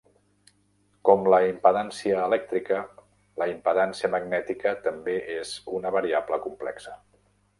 Com la impedància elèctrica, la impedància magnètica també és una variable complexa.